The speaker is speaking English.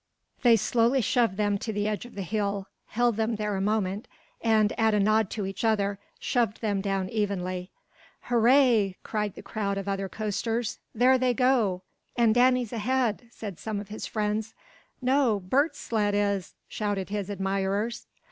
They slowly shoved them to the edge of the hill, held them there a moment, and, at a nod to each other, shoved them down evenly. "Hurray!" cried the crowd of other coasters. "There they go!" "And Danny's ahead!" said some of his friends. "No, Bert's sled is!" shouted his admirers.